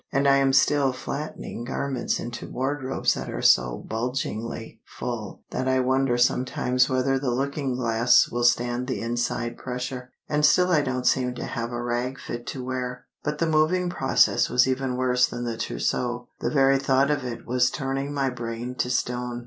And I am still flattening garments into wardrobes that are so bulgingly full that I wonder sometimes whether the looking glass will stand the inside pressure. And still I don't seem to have a rag fit to wear. But the moving process was even worse than the trousseau. The very thought of it was turning my brain to stone.